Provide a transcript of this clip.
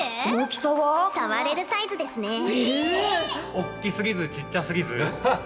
おっきすぎずちっちゃすぎず。